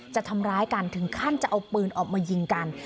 จะทำร้ายกันถึงขั้นจะเอาปืนออกมายิงกัน